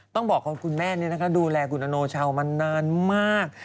ต้องบอกว่าคุณแม่ดูแลคุณอโนชาวมานานมาก